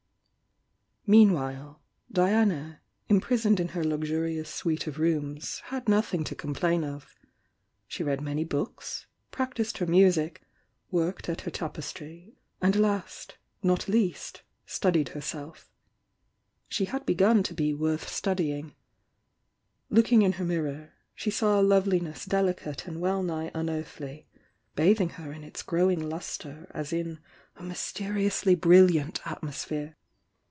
Meanwhile, Diana, imprisoned in her luxurious suite of rooms, had nothing to complain of. She read many books, practised her music, worked at her tapestry, and last, not least, studied herself. She had begun to be worth studying. Looking in her mirror, she saw a loveliness delicate and well nigh unearthly, bathing her in its growing lustre as in a mysteriously brilliant atmosphere.